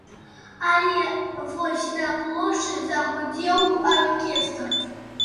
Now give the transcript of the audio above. Але вось на плошчы загудзеў аркестр.